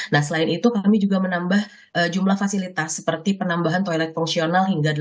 nah selain itu kami juga menambah jumlah fasilitas seperti penambahan toilet fungsional hingga delapan puluh